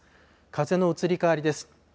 風の移り変わりです。